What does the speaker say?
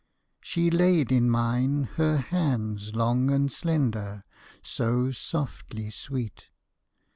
She laid in mine her hands long and slender, So softly sweet.